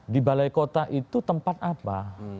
di balai kota itu tempat apa